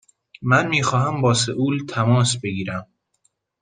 من می خواهم با سئول تماس بگیرم.